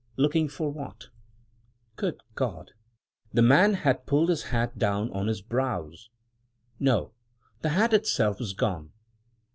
Looking for what? Good God! the man had pulled his hat down on his brows! No! the hat itself was gone!